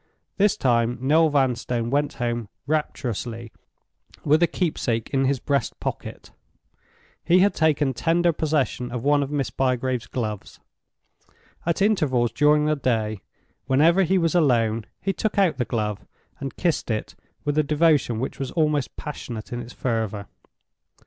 This time Noel Vanstone went home rapturously with a keepsake in his breast pocket; he had taken tender possession of one of Miss Bygrave's gloves. At intervals during the day, whenever he was alone, he took out the glove and kissed it with a devotion which was almost passionate in its fervor.